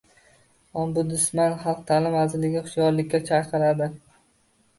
Ombudsman Xalq ta’limi vazirligini hushyorlikka chaqiradi